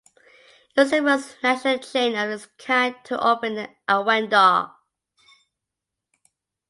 It was the first national chain of its kind to open in Awendaw.